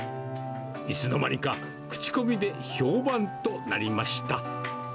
いつの間にか口コミで評判となりました。